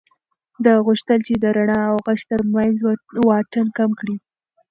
ده غوښتل چې د رڼا او غږ تر منځ واټن کم کړي.